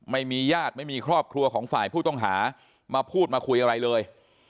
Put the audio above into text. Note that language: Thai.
ไม่มีญาติไม่มีครอบครัวของฝ่ายผู้ต้องหามาพูดมาคุยอะไรเลย